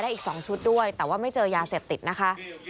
อีก๒ชุดด้วยแต่ว่าไม่เจอยาเสพติดนะคะ